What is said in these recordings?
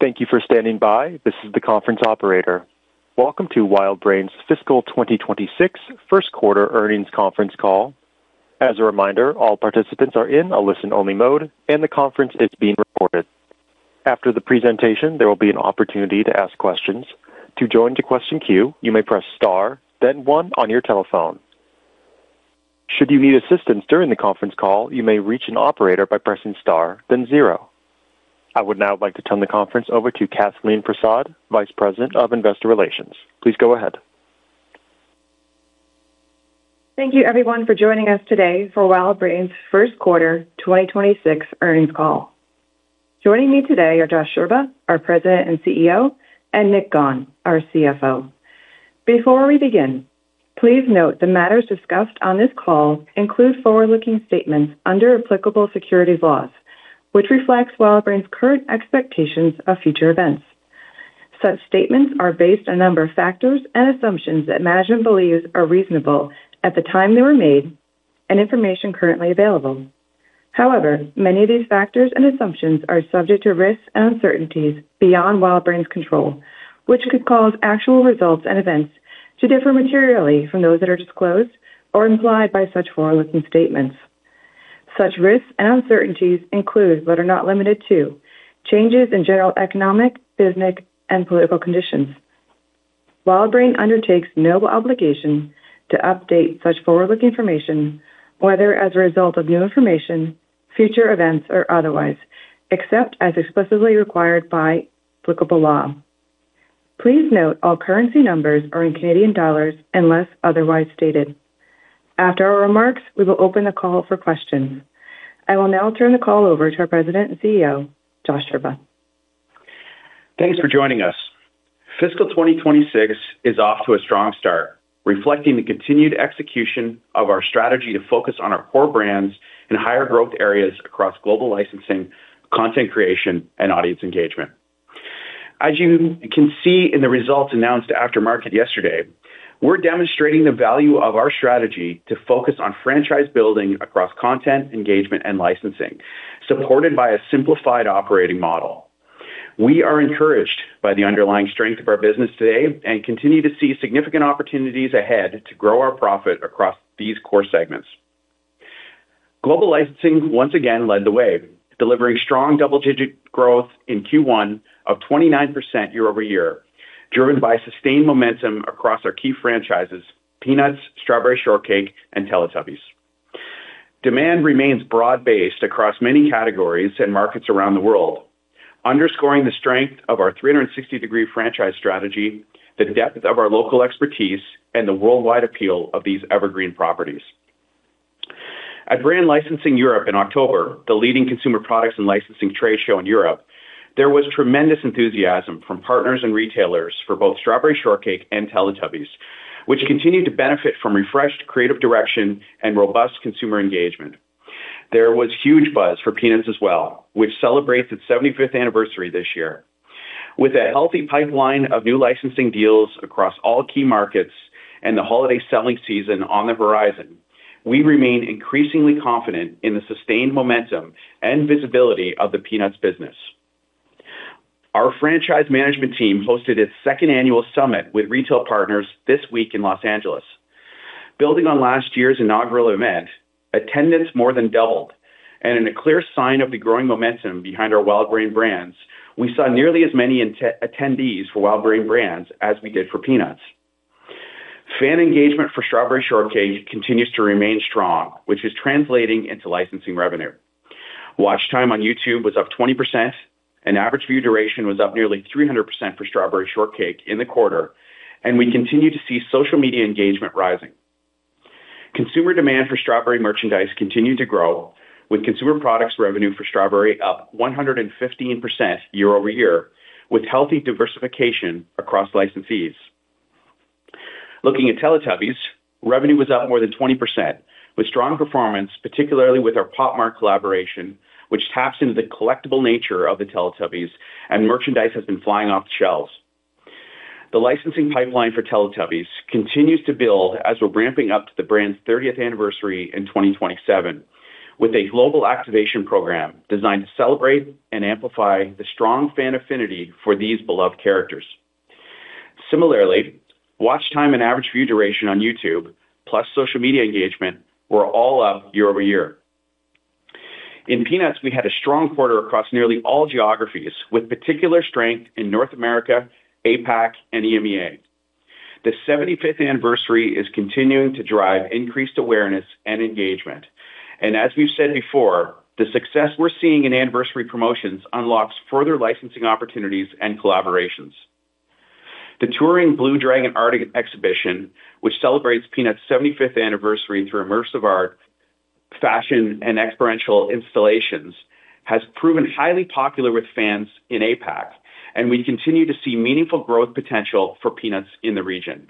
Thank you for standing by. This is the conference operator. Welcome to WildBrain's Fiscal 2026 First Quarter Earnings Conference Call. As a reminder, all participants are in a listen-only mode, and the conference is being recorded. After the presentation, there will be an opportunity to ask questions. To join the question queue, you may press star, then one on your telephone. Should you need assistance during the conference call, you may reach an operator by pressing star, then zero. I would now like to turn the conference over to Kathleen Persaud, Vice President of Investor Relations. Please go ahead. Thank you, everyone, for joining us today for WildBrain's First Quarter 2026 Earnings Call. Joining me today are Josh Scherba, our President and CEO, and Nick Gawne, our CFO. Before we begin, please note the matters discussed on this call include forward-looking statements under applicable securities laws, which reflect WildBrain's current expectations of future events. Such statements are based on a number of factors and assumptions that management believes are reasonable at the time they were made and information currently available. However, many of these factors and assumptions are subject to risks and uncertainties beyond WildBrain's control, which could cause actual results and events to differ materially from those that are disclosed or implied by such forward-looking statements. Such risks and uncertainties include, but are not limited to, changes in general economic, business, and political conditions. WildBrain undertakes no obligation to update such forward-looking information, whether as a result of new information, future events, or otherwise, except as explicitly required by applicable law. Please note all currency numbers are in CAD unless otherwise stated. After our remarks, we will open the call for questions. I will now turn the call over to our President and CEO, Josh Scherba. Thanks for joining us. Fiscal 2026 is off to a strong start, reflecting the continued execution of our strategy to focus on our core brands and higher growth areas across global licensing, content creation, and audience engagement. As you can see in the results announced after market yesterday, we're demonstrating the value of our strategy to focus on franchise building across content, engagement, and licensing, supported by a simplified operating model. We are encouraged by the underlying strength of our business today and continue to see significant opportunities ahead to grow our profit across these core segments. Global licensing once again led the way, delivering strong double-digit growth in Q1 of 29% year-over-year, driven by sustained momentum across our key franchises, Peanuts, Strawberry Shortcake, and Teletubbies. Demand remains broad-based across many categories and markets around the world, underscoring the strength of our 360-degree franchise strategy, the depth of our local expertise, and the worldwide appeal of these evergreen properties. At Brand Licensing Europe in October, the leading consumer products and licensing trade show in Europe, there was tremendous enthusiasm from partners and retailers for both Strawberry Shortcake and Teletubbies, which continued to benefit from refreshed creative direction and robust consumer engagement. There was huge buzz for Peanuts as well, which celebrates its 75th anniversary this year. With a healthy pipeline of new licensing deals across all key markets and the holiday selling season on the horizon, we remain increasingly confident in the sustained momentum and visibility of the Peanuts business. Our franchise management team hosted its second annual summit with retail partners this week in Los Angeles. Building on last year's inaugural event, attendance more than doubled, and in a clear sign of the growing momentum behind our WildBrain brands, we saw nearly as many attendees for WildBrain brands as we did for Peanuts. Fan engagement for Strawberry Shortcake continues to remain strong, which is translating into licensing revenue. Watch time on YouTube was up 20%, and average view duration was up nearly 300% for Strawberry Shortcake in the quarter, and we continue to see social media engagement rising. Consumer demand for Strawberry merchandise continued to grow, with consumer products revenue for Strawberry up 115% year-over-year, with healthy diversification across licensees. Looking at Teletubbies, revenue was up more than 20%, with strong performance, particularly with our Pop Mart collaboration, which taps into the collectible nature of the Teletubbies, and merchandise has been flying off the shelves. The licensing pipeline for Teletubbies continues to build as we're ramping up to the brand's 30th anniversary in 2027, with a global activation program designed to celebrate and amplify the strong fan affinity for these beloved characters. Similarly, watch time and average view duration on YouTube, plus social media engagement, were all up year-over-year. In Peanuts, we had a strong quarter across nearly all geographies, with particular strength in North America, APAC, and EMEA. The 75th anniversary is continuing to drive increased awareness and engagement, and as we've said before, the success we're seeing in anniversary promotions unlocks further licensing opportunities and collaborations. The touring Blue Dragon Art Exhibition, which celebrates Peanuts' 75th anniversary through immersive art, fashion, and experiential installations, has proven highly popular with fans in APAC, and we continue to see meaningful growth potential for Peanuts in the region.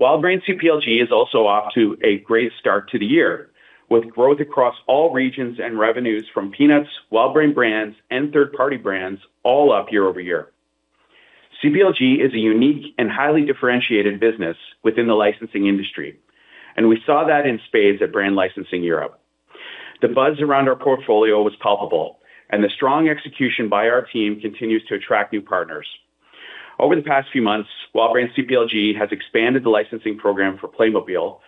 WildBrain CPLG is also off to a great start to the year, with growth across all regions and revenues from Peanuts, WildBrain brands, and third-party brands all up year-over-year. CPLG is a unique and highly differentiated business within the licensing industry, and we saw that in spades at Brand Licensing Europe. The buzz around our portfolio was palpable, and the strong execution by our team continues to attract new partners. Over the past few months, WildBrain CPLG has expanded the licensing program for Playmobil,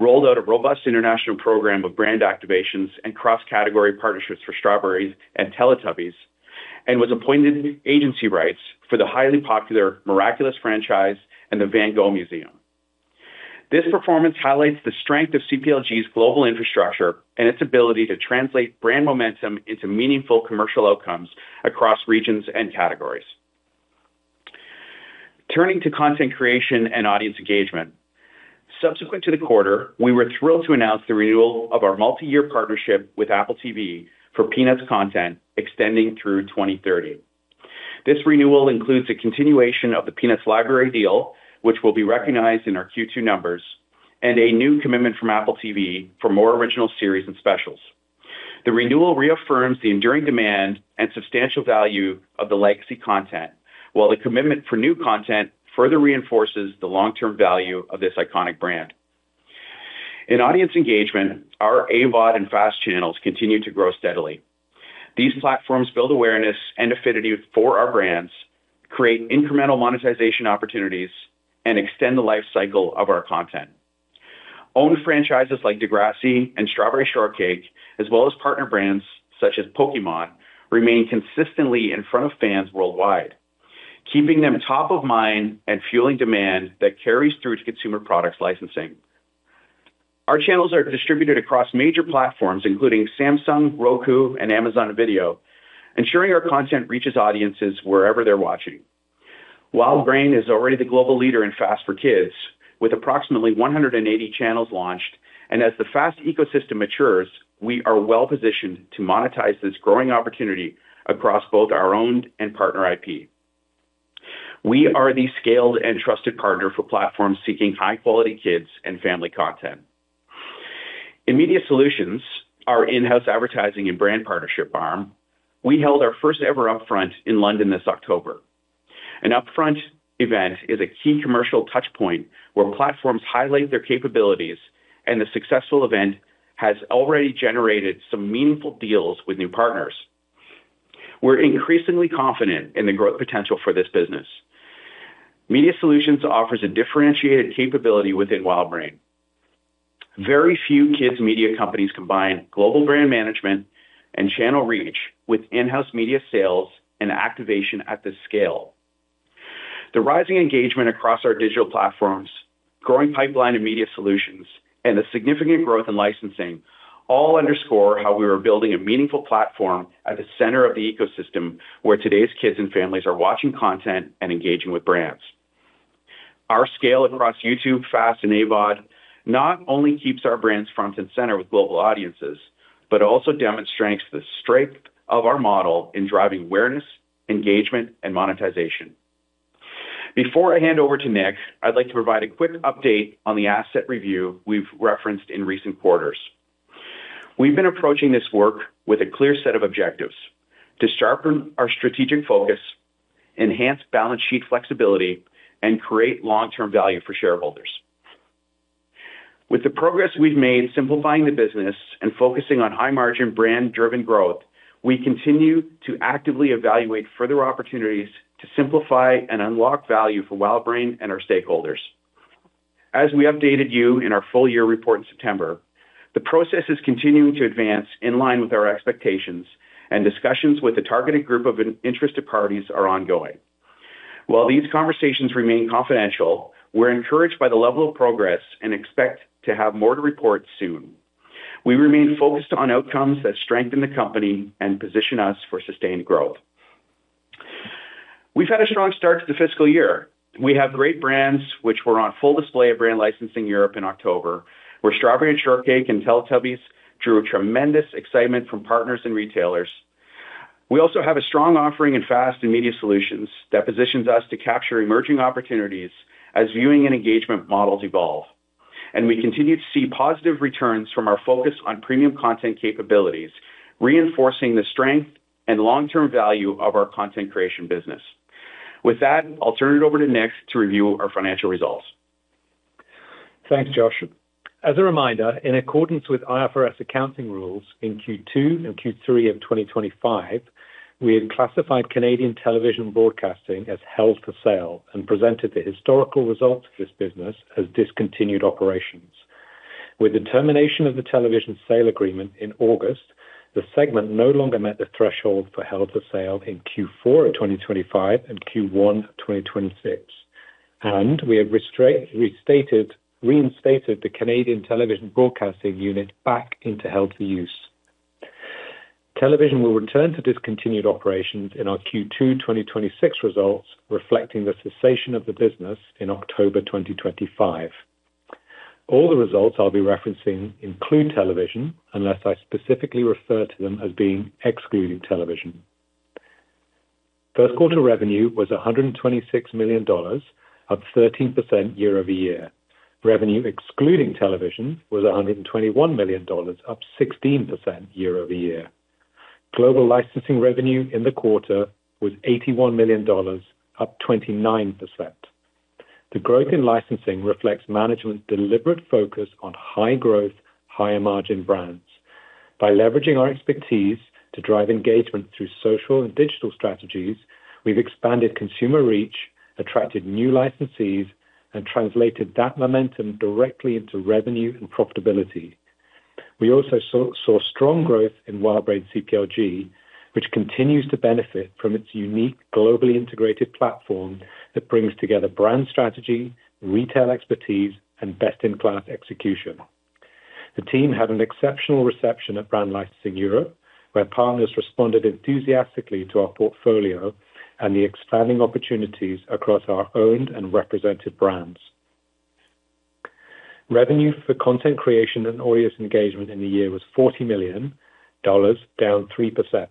rolled out a robust international program of brand activations and cross-category partnerships for Strawberry Shortcake and Teletubbies, and was appointed agency rights for the highly popular Miraculous franchise and the Van Gogh Museum. This performance highlights the strength of CPLG's global infrastructure and its ability to translate brand momentum into meaningful commercial outcomes across regions and categories. Turning to content creation and audience engagement, subsequent to the quarter, we were thrilled to announce the renewal of our multi-year partnership with Apple TV for Peanuts content extending through 2030. This renewal includes a continuation of the Peanuts library deal, which will be recognized in our Q2 numbers, and a new commitment from Apple TV for more original series and specials. The renewal reaffirms the enduring demand and substantial value of the legacy content, while the commitment for new content further reinforces the long-term value of this iconic brand. In audience engagement, our AVOD and FAST channels continue to grow steadily. These platforms build awareness and affinity for our brands, create incremental monetization opportunities, and extend the lifecycle of our content. Owned franchises like Degrassi and Strawberry Shortcake, as well as partner brands such as Pokémon, remain consistently in front of fans worldwide, keeping them top of mind and fueling demand that carries through to consumer products licensing. Our channels are distributed across major platforms, including Samsung, Roku, and Amazon Video, ensuring our content reaches audiences wherever they're watching. WildBrain is already the global leader in FAST for kids, with approximately 180 channels launched, and as the FAST ecosystem matures, we are well-positioned to monetize this growing opportunity across both our own and partner IP. We are the scaled and trusted partner for platforms seeking high-quality kids and family content. In Media Solutions, our in-house advertising and brand partnership arm, we held our first-ever upfront in London this October. An upfront event is a key commercial touchpoint where platforms highlight their capabilities, and the successful event has already generated some meaningful deals with new partners. We're increasingly confident in the growth potential for this business. Media Solutions offers a differentiated capability within WildBrain. Very few kids media companies combine global brand management and channel reach with in-house media sales and activation at this scale. The rising engagement across our digital platforms, growing pipeline of Media Solutions, and the significant growth in licensing all underscore how we are building a meaningful platform at the center of the ecosystem where today's kids and families are watching content and engaging with brands. Our scale across YouTube, FAST, and AVOD not only keeps our brands front and center with global audiences, but also demonstrates the strength of our model in driving awareness, engagement, and monetization. Before I hand over to Nick, I'd like to provide a quick update on the asset review we've referenced in recent quarters. We've been approaching this work with a clear set of objectives: to sharpen our strategic focus, enhance balance sheet flexibility, and create long-term value for shareholders. With the progress we've made simplifying the business and focusing on high-margin brand-driven growth, we continue to actively evaluate further opportunities to simplify and unlock value for WildBrain and our stakeholders. As we updated you in our full-year report in September, the process is continuing to advance in line with our expectations, and discussions with the targeted group of interested parties are ongoing. While these conversations remain confidential, we're encouraged by the level of progress and expect to have more to report soon. We remain focused on outcomes that strengthen the company and position us for sustained growth. We've had a strong start to the fiscal year. We have great brands, which were on full display at Brand Licensing Europe in October, where Strawberry Shortcake and Teletubbies drew tremendous excitement from partners and retailers. We also have a strong offering in FAST and Media Solutions that positions us to capture emerging opportunities as viewing and engagement models evolve, and we continue to see positive returns from our focus on premium content capabilities, reinforcing the strength and long-term value of our content creation business. With that, I'll turn it over to Nick to review our financial results. Thanks, Josh. As a reminder, in accordance with IFRS accounting rules in Q2 and Q3 of 2025, we had classified Canadian television broadcasting as held for sale and presented the historical results of this business as discontinued operations. With the termination of the television sale agreement in August, the segment no longer met the threshold for held for sale in Q4 of 2025 and Q1 of 2026, and we have restated, reinstated the Canadian television broadcasting unit back into held for use. Television will return to discontinued operations in our Q2 2026 results, reflecting the cessation of the business in October 2025. All the results I'll be referencing include television, unless I specifically refer to them as being excluding television. First quarter revenue was 126 million dollars, up 13% year-over-year. Revenue excluding television was 121 million dollars, up 16% year-over-year. Global licensing revenue in the quarter was 81 million dollars, up 29%. The growth in licensing reflects management's deliberate focus on high-growth, higher-margin brands. By leveraging our expertise to drive engagement through social and digital strategies, we've expanded consumer reach, attracted new licensees, and translated that momentum directly into revenue and profitability. We also saw strong growth in WildBrain CPLG, which continues to benefit from its unique globally integrated platform that brings together brand strategy, retail expertise, and best-in-class execution. The team had an exceptional reception at Brand Licensing Europe, where partners responded enthusiastically to our portfolio and the expanding opportunities across our owned and represented brands. Revenue for content creation and audience engagement in the year was 40 million dollars, down 3%.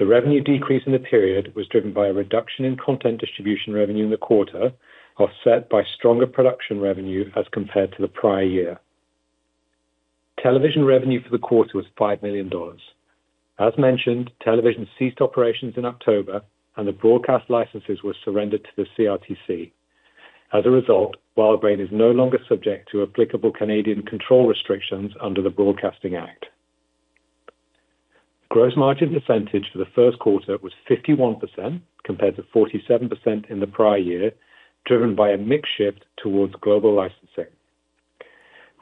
The revenue decrease in the period was driven by a reduction in content distribution revenue in the quarter, offset by stronger production revenue as compared to the prior year. Television revenue for the quarter was 5 million dollars. As mentioned, television ceased operations in October, and the broadcast licenses were surrendered to the CRTC. As a result, WildBrain is no longer subject to applicable Canadian control restrictions under the Broadcasting Act. Gross margin percentage for the first quarter was 51% compared to 47% in the prior year, driven by a mix shift towards global licensing.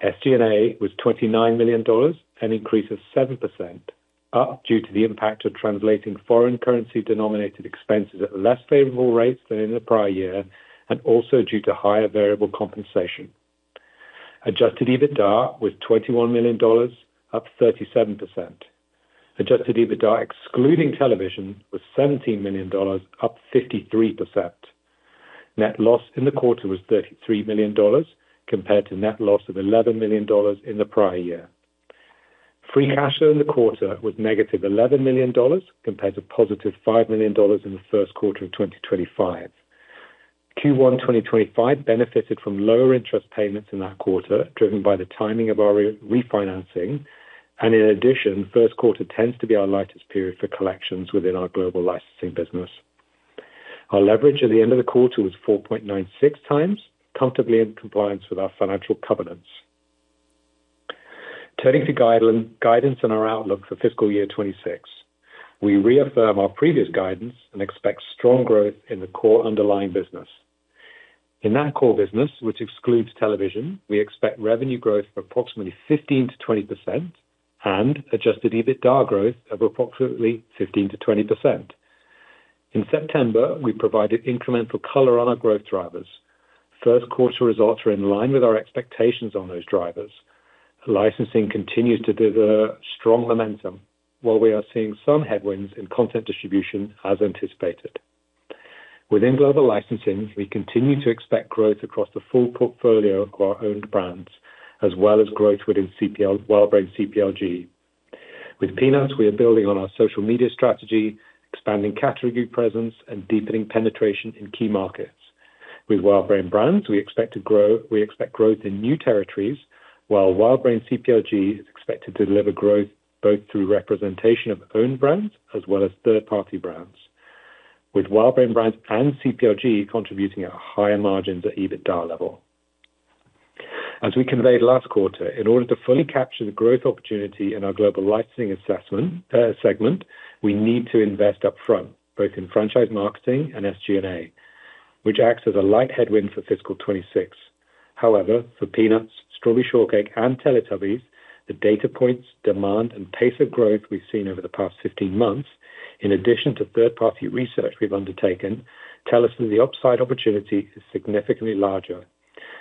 SG&A was 29 million dollars, an increase of 7%, up due to the impact of translating foreign currency-denominated expenses at less favorable rates than in the prior year, and also due to higher variable compensation. Adjusted EBITDA was 21 million dollars, up 37%. Adjusted EBITDA excluding television was 17 million dollars, up 53%. Net loss in the quarter was 33 million dollars compared to net loss of 11 million dollars in the prior year. Free cash flow in the quarter was negative 11 million dollars compared to positive 5 million dollars in the first quarter of 2025. Q1 2025 benefited from lower interest payments in that quarter, driven by the timing of our refinancing, and in addition, first quarter tends to be our lightest period for collections within our global licensing business. Our leverage at the end of the quarter was 4.96 times, comfortably in compliance with our financial covenants. Turning to guidance and our outlook for fiscal year 2026, we reaffirm our previous guidance and expect strong growth in the core underlying business. In that core business, which excludes television, we expect revenue growth of approximately 15%-20% and adjusted EBITDA growth of approximately 15%-20%. In September, we provided incremental color on our growth drivers. First quarter results are in line with our expectations on those drivers. Licensing continues to deliver strong momentum, while we are seeing some headwinds in content distribution, as anticipated. Within global licensing, we continue to expect growth across the full portfolio of our owned brands, as well as growth within WildBrain CPLG. With Peanuts, we are building on our social media strategy, expanding category presence, and deepening penetration in key markets. With WildBrain Brands, we expect growth in new territories, while WildBrain CPLG is expected to deliver growth both through representation of owned brands as well as third-party brands, with WildBrain Brands and CPLG contributing at higher margins at EBITDA level. As we conveyed last quarter, in order to fully capture the growth opportunity in our global licensing segment, we need to invest upfront, both in franchise marketing and SG&A, which acts as a light headwind for fiscal 2026. However, for Peanuts, Strawberry Shortcake, and Teletubbies, the data points, demand, and pace of growth we've seen over the past 15 months, in addition to third-party research we've undertaken, tell us that the upside opportunity is significantly larger.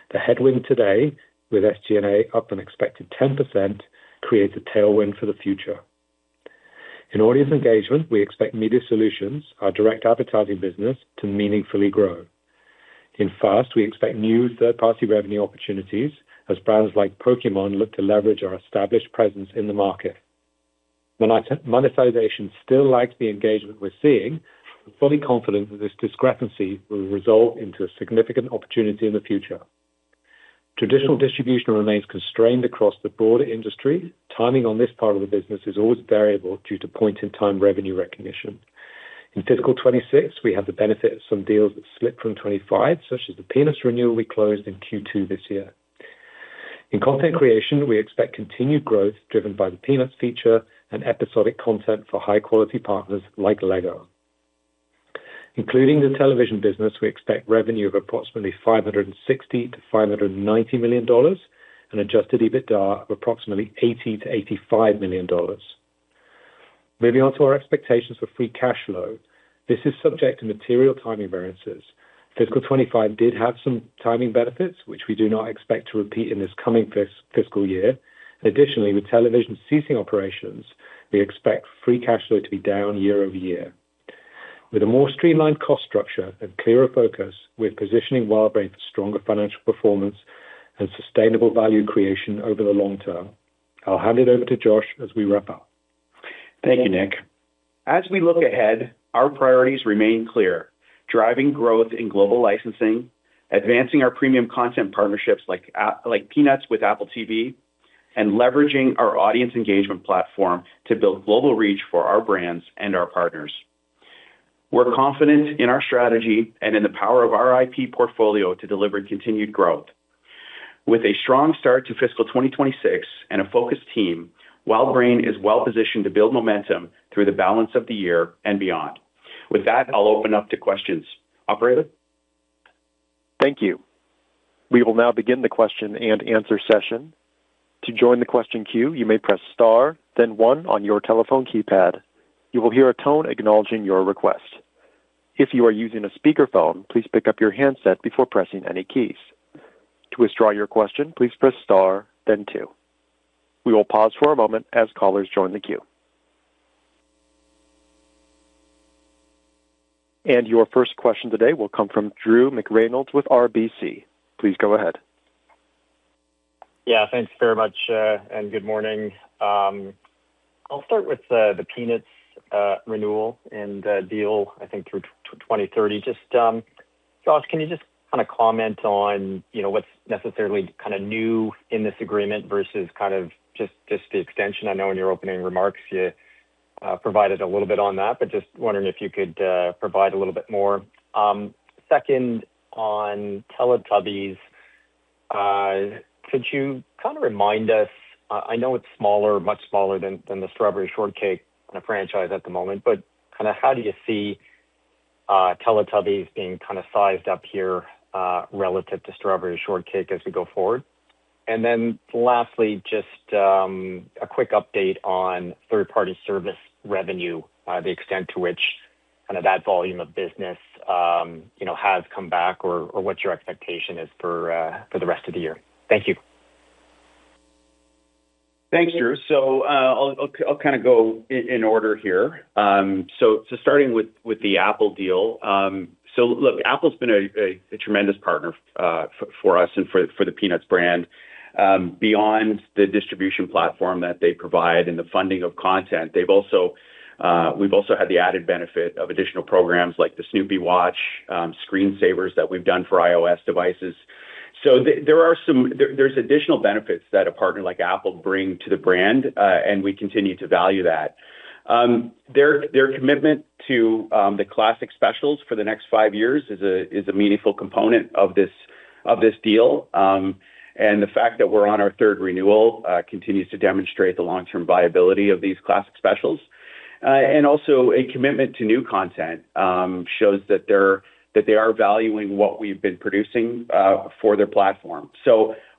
The headwind today, with SG&A up an expected 10%, creates a tailwind for the future. In audience engagement, we expect Media Solutions, our direct advertising business, to meaningfully grow. In FAST, we expect new third-party revenue opportunities as brands like Pokémon look to leverage our established presence in the market. Monetization still lags the engagement we're seeing, but we're fully confident that this discrepancy will result in a significant opportunity in the future. Traditional distribution remains constrained across the broader industry. Timing on this part of the business is always variable due to point-in-time revenue recognition. In fiscal 2026, we have the benefit of some deals that slip from 2025, such as the Peanuts renewal we closed in Q2 this year. In content creation, we expect continued growth driven by the Peanuts feature and episodic content for high-quality partners like Lego. Including the television business, we expect revenue of approximately 560 million-590 million dollars and adjusted EBITDA of approximately 80 million-85 million dollars. Moving on to our expectations for free cash flow, this is subject to material timing variances. Fiscal 2025 did have some timing benefits, which we do not expect to repeat in this coming fiscal year. Additionally, with television ceasing operations, we expect free cash flow to be down year-over-year. With a more streamlined cost structure and clearer focus, we are positioning WildBrain for stronger financial performance and sustainable value creation over the long term. I will hand it over to Josh as we wrap up. Thank you, Nick. As we look ahead, our priorities remain clear: driving growth in global licensing, advancing our premium content partnerships like Peanuts with Apple TV, and leveraging our audience engagement platform to build global reach for our brands and our partners. We're confident in our strategy and in the power of our IP portfolio to deliver continued growth. With a strong start to fiscal 2026 and a focused team, WildBrain is well-positioned to build momentum through the balance of the year and beyond. With that, I'll open up to questions. Operator? Thank you. We will now begin the question and answer session. To join the question queue, you may press star, then one on your telephone keypad. You will hear a tone acknowledging your request. If you are using a speakerphone, please pick up your handset before pressing any keys. To withdraw your question, please press star, then two. We will pause for a moment as callers join the queue. Your first question today will come from Drew McReynolds with RBC. Please go ahead. Yeah, thanks very much, and good morning. I'll start with the Peanuts renewal and deal, I think, through 2030. Just, Josh, can you just kind of comment on what's necessarily kind of new in this agreement versus kind of just the extension? I know in your opening remarks, you provided a little bit on that, but just wondering if you could provide a little bit more. Second, on Teletubbies, could you kind of remind us, I know it's smaller, much smaller than the Strawberry Shortcake kind of franchise at the moment, but kind of how do you see Teletubbies being kind of sized up here relative to Strawberry Shortcake as we go forward? And then lastly, just a quick update on third-party service revenue, the extent to which kind of that volume of business has come back or what your expectation is for the rest of the year. Thank you. Thanks, Drew. I'll kind of go in order here. Starting with the Apple deal, look, Apple's been a tremendous partner for us and for the Peanuts brand. Beyond the distribution platform that they provide and the funding of content, we've also had the added benefit of additional programs like the Snoopy Watch, screen savers that we've done for iOS devices. There are some additional benefits that a partner like Apple brings to the brand, and we continue to value that. Their commitment to the classic specials for the next five years is a meaningful component of this deal, and the fact that we're on our third renewal continues to demonstrate the long-term viability of these classic specials. Also, a commitment to new content shows that they are valuing what we've been producing for their platform.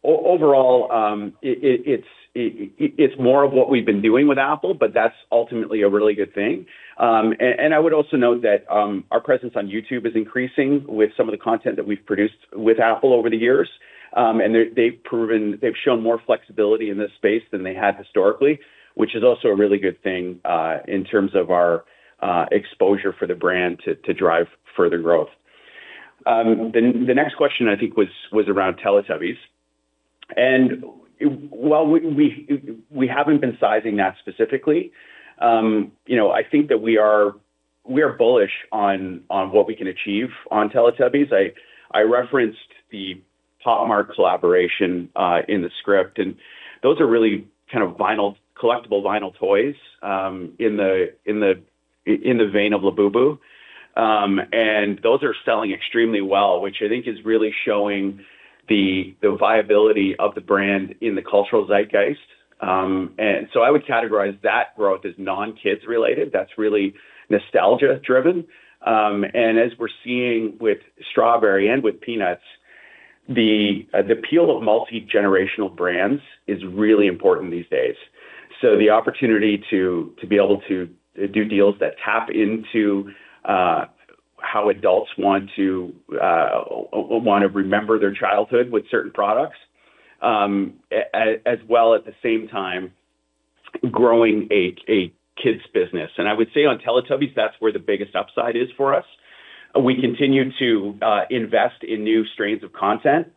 Overall, it's more of what we've been doing with Apple, but that's ultimately a really good thing. I would also note that our presence on YouTube is increasing with some of the content that we've produced with Apple over the years, and they've shown more flexibility in this space than they had historically, which is also a really good thing in terms of our exposure for the brand to drive further growth. The next question, I think, was around Teletubbies. While we haven't been sizing that specifically, I think that we are bullish on what we can achieve on Teletubbies. I referenced the Pop Mart collaboration in the script, and those are really kind of collectible vinyl toys in the vein of Labubu, and those are selling extremely well, which I think is really showing the viability of the brand in the cultural zeitgeist. I would categorize that growth as non-kids-related. That is really nostalgia-driven. As we are seeing with Strawberry and with Peanuts, the appeal of multi-generational brands is really important these days. The opportunity to be able to do deals that tap into how adults want to remember their childhood with certain products, as well as at the same time growing a kids' business. I would say on Teletubbies, that is where the biggest upside is for us. We continue to invest in new strains of content,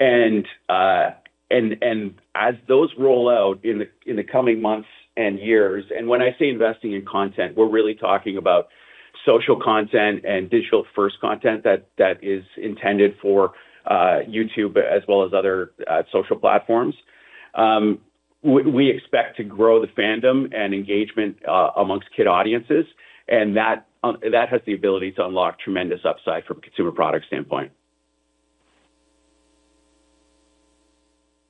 and as those roll out in the coming months and years, and when I say investing in content, we are really talking about social content and digital-first content that is intended for YouTube as well as other social platforms. We expect to grow the fandom and engagement amongst kid audiences, and that has the ability to unlock tremendous upside from a consumer product standpoint.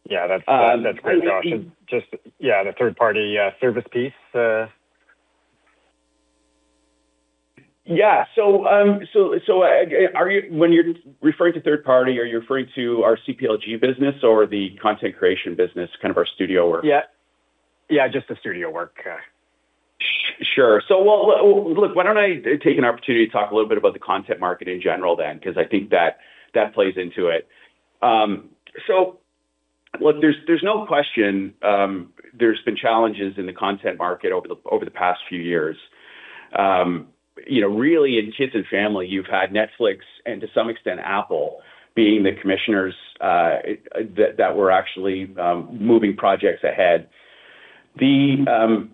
Yeah, that's great, Josh. Just, yeah, the third-party service piece. Yeah. So when you're referring to third-party, are you referring to our CPLG business or the content creation business, kind of our studio work? Yeah. Yeah, just the studio work. Sure. Look, why don't I take an opportunity to talk a little bit about the content market in general then, because I think that plays into it. There's no question there's been challenges in the content market over the past few years. Really, in Kids and Family, you've had Netflix and, to some extent, Apple being the commissioners that were actually moving projects ahead. The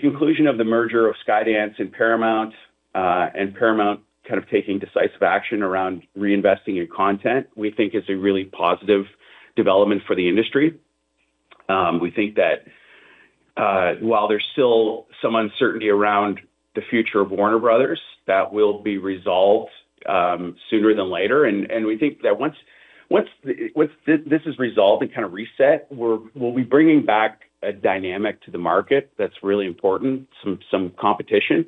conclusion of the merger of Skydance and Paramount, and Paramount kind of taking decisive action around reinvesting in content, we think is a really positive development for the industry. We think that while there's still some uncertainty around the future of Warner Bros., that will be resolved sooner than later. We think that once this is resolved and kind of reset, we'll be bringing back a dynamic to the market that's really important, some competition.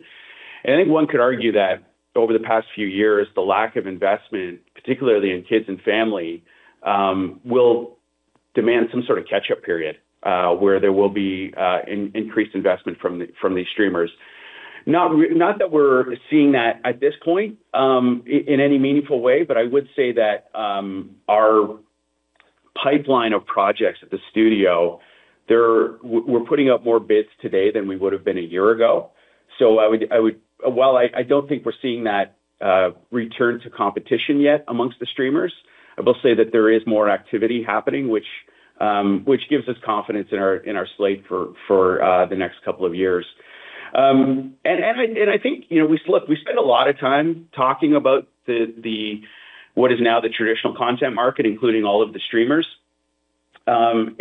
I think one could argue that over the past few years, the lack of investment, particularly in Kids and Family, will demand some sort of catch-up period where there will be increased investment from these streamers. Not that we're seeing that at this point in any meaningful way, but I would say that our pipeline of projects at the studio, we're putting up more bids today than we would have been a year ago. While I do not think we're seeing that return to competition yet amongst the streamers, I will say that there is more activity happening, which gives us confidence in our slate for the next couple of years. I think we spent a lot of time talking about what is now the traditional content market, including all of the streamers. In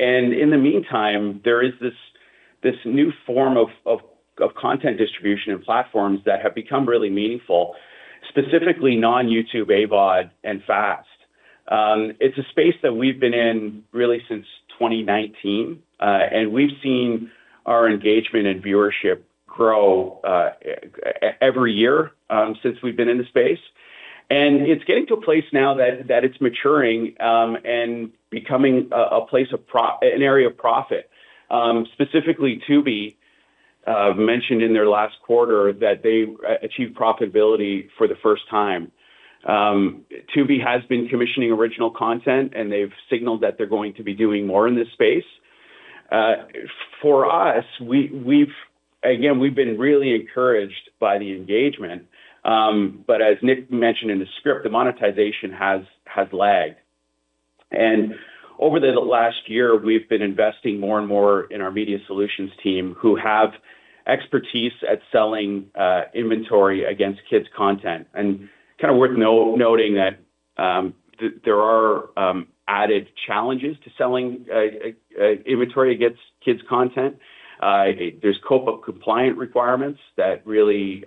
the meantime, there is this new form of content distribution and platforms that have become really meaningful, specifically non-YouTube AVOD and FAST. It is a space that we have been in really since 2019, and we have seen our engagement and viewership grow every year since we have been in the space. It is getting to a place now that it is maturing and becoming an area of profit. Specifically, Tubi mentioned in their last quarter that they achieved profitability for the first time. Tubi has been commissioning original content, and they have signaled that they are going to be doing more in this space. For us, again, we have been really encouraged by the engagement, but as Nick mentioned in the script, the monetization has lagged. Over the last year, we have been investing more and more in our Media Solutions team, who have expertise at selling inventory against kids' content. Kind of worth noting that there are added challenges to selling inventory against kids' content. There are COPA compliant requirements that really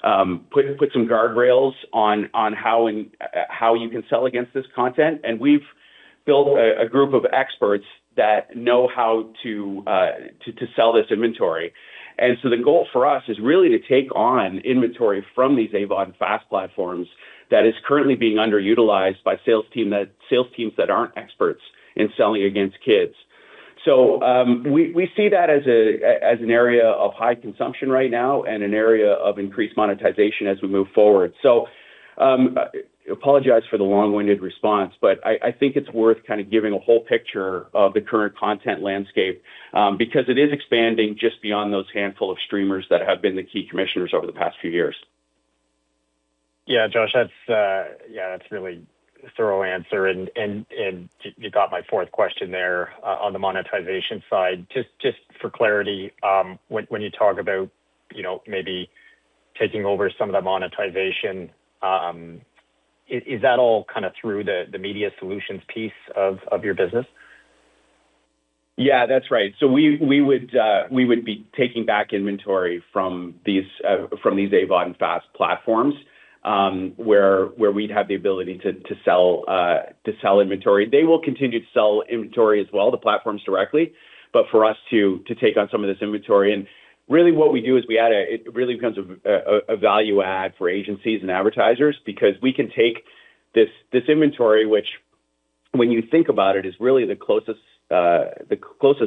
put some guardrails on how you can sell against this content. We have built a group of experts that know how to sell this inventory. The goal for us is really to take on inventory from these AVOD and FAST platforms that is currently being underutilized by sales teams that are not experts in selling against kids. We see that as an area of high consumption right now and an area of increased monetization as we move forward. I apologize for the long-winded response, but I think it is worth kind of giving a whole picture of the current content landscape because it is expanding just beyond those handful of streamers that have been the key commissioners over the past few years. Yeah, Josh, that's a really thorough answer. You got my fourth question there on the monetization side. Just for clarity, when you talk about maybe taking over some of the monetization, is that all kind of through the Media Solutions piece of your business? Yeah, that's right. We would be taking back inventory from these AVOD and FAST platforms where we'd have the ability to sell inventory. They will continue to sell inventory as well, the platforms directly, but for us to take on some of this inventory. Really, what we do is we add a, it really becomes a value add for agencies and advertisers because we can take this inventory, which when you think about it, is really the closest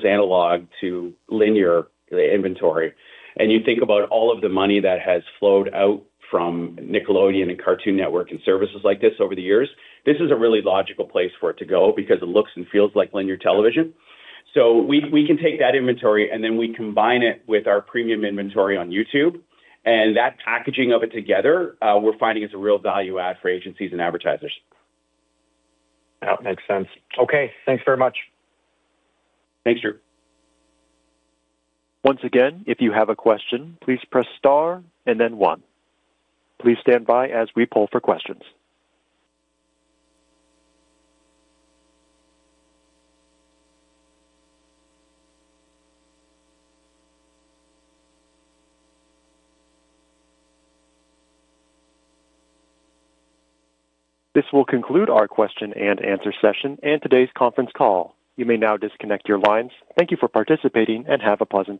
analog to linear inventory. You think about all of the money that has flowed out from Nickelodeon and Cartoon Network and services like this over the years, this is a really logical place for it to go because it looks and feels like linear television. We can take that inventory, and then we combine it with our premium inventory on YouTube. That packaging of it together, we're finding is a real value add for agencies and advertisers. That makes sense. Okay. Thanks very much. Thanks, Drew. Once again, if you have a question, please press star and then one. Please stand by as we poll for questions. This will conclude our question and answer session and today's conference call. You may now disconnect your lines. Thank you for participating and have a pleasant day.